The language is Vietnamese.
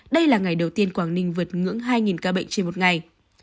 đây là ngày đầu tiên quảng ninh vượt ngưỡng hai ca bệnh trên một ngày